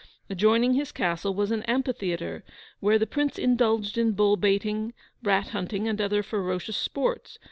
Adjoining his castle was an amphitheatre where the Prince indulged in bull baiting, rat hunting, and other ferocious sports.